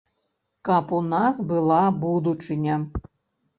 Каб у нас была будучыня.